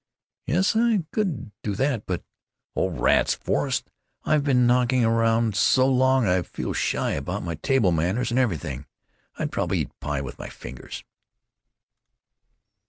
"Yes, I could do that, but——Oh, rats! Forrest, I've been knocking around so long I feel shy about my table manners and everything. I'd probably eat pie with my fingers."